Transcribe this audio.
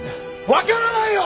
わからないよ！